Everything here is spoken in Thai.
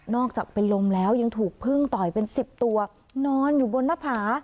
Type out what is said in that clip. อกจากเป็นลมแล้วยังถูกพึ่งต่อยเป็น๑๐ตัวนอนอยู่บนหน้าผา